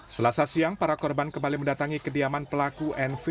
selasa siang para korban kembali mendatangi kediaman pelaku nv